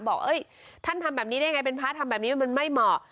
ท่านทำแบบนี้ได้ยังไงเป็นพระทำแบบนี้มันไม่เหมาะ